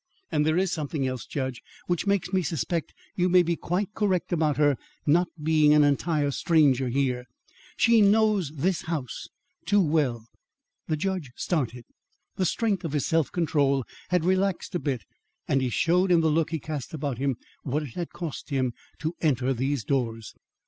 And there is something else, judge, which makes me suspect you may be quite correct about her not being an entire stranger here. She knows this house too well." The judge started. The strength of his self control had relaxed a bit, and he showed in the look he cast about him what it had cost him to enter these doors.